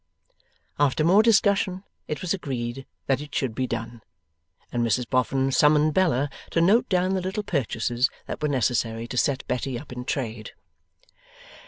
After more discussion it was agreed that it should be done, and Mrs Boffin summoned Bella to note down the little purchases that were necessary to set Betty up in trade.